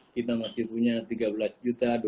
kita masih punya tiga belas juta